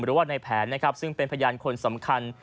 หรือว่าในแผนนะครับซึ่งเป็นพยานคนสำคัญ